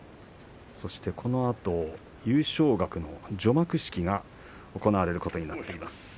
そしてこのあと優勝額の除幕式が行われることになっています。